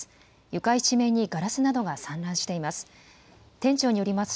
床一面にガラスなどが散乱しています。